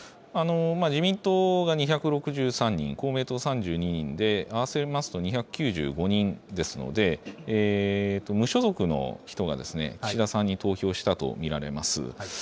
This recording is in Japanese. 自民党が２６３人、公明党３２人で、合わせますと２９５人ですので、無所属の人が岸田さんに投票したと見られます。